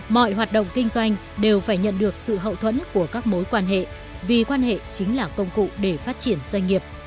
mọi hoạt động kinh doanh đều phải nhận được sự hậu thuẫn của các mối quan hệ vì quan hệ chính là công cụ để phát triển doanh nghiệp